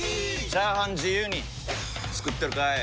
チャーハン自由に作ってるかい！？